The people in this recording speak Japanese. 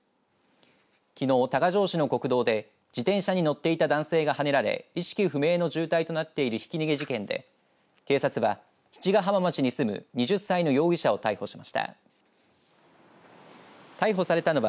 きのう、多賀城市の国道で自転車に乗っていた男性がはねられ意識不明の重体となっているひき逃げ事件で警察は、七ヶ浜町に住む２０歳の容疑者を逮捕しました。